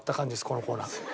このコーナー。